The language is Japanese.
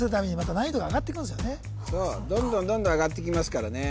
そうどんどんどんどん上がってきますからね